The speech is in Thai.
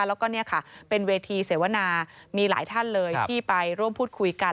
แล้วก็เนี่ยค่ะเป็นเวทีเสวนามีหลายท่านเลยที่ไปร่วมพูดคุยกัน